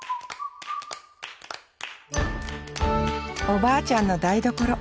おばあちゃんの台所。